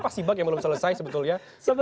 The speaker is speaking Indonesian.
apa sih pak yang belum selesai sebetulnya